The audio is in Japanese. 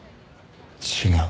違う。